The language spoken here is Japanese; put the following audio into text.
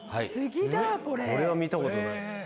これは見たことない。